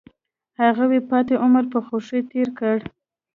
هغوی پاتې عمر په خوښۍ تیر کړ.